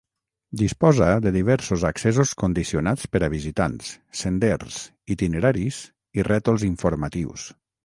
Disposa de diversos accessos condicionats per a visitants, senders, itineraris i rètols informatius.